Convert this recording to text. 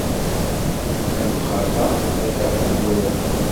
Ad nemxaṭar ad fakeɣ d amezwaru.